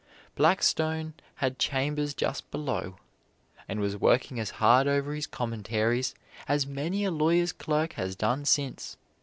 Blackstone had chambers just below, and was working as hard over his Commentaries as many a lawyer's clerk has done since.